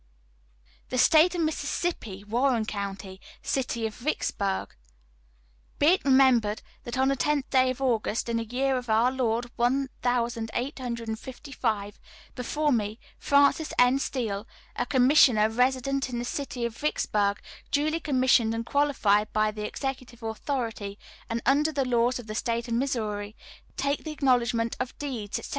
]" "THE STATE OF MISSISSIPPI, WARREN COUNTY, CITY OF VICKSBURG. } SS. "Be it remembered, that on the tenth day of August, in the year of our Lord one thousand eight hundred and fifty five, before me, Francis N. Steele, a Commissioner, resident in the city of Vicksburg, duly commissioned and qualified by the executive authority, and under the laws of the State of Missouri, to take the acknowledgment of deeds, etc.